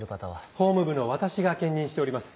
法務部の私が兼任しております。